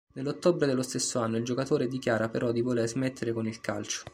Nell'ottobre dello stesso anno il giocatore dichiara però di voler smettere con il calcio.